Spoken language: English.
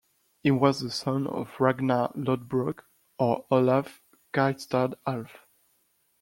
He was the son of Ragnar Lodbrok or Olaf Geirstad-Alf.